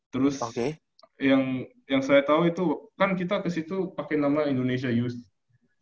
terus yang saya tau itu kan kita kesitu pake nama indonesia youth